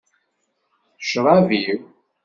D ccrab-iw.